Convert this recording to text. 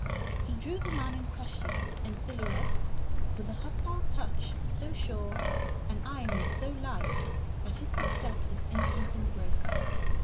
He drew the man in question, en silhouette, with a hostile touch so sure, an irony so light, that his success was instant and great.